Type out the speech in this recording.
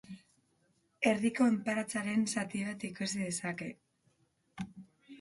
Herriko enparantzaren zati bat ikus dezake.